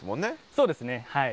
そうですねはい。